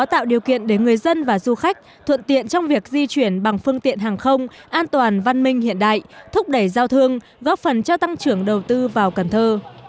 tạo điều kiện để người dân và du khách thuận tiện trong việc di chuyển bằng phương tiện hàng không an toàn văn minh hiện đại thúc đẩy giao thương góp phần cho tăng trưởng đầu tư vào cần thơ